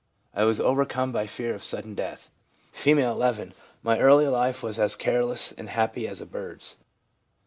" I was overcome by fear of sudden death/ F., II. 'My early life was as careless and happy as a bird's.